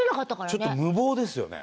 ちょっと無謀ですよね。